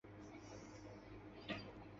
钝齿鼠李为鼠李科鼠李属下的一个种。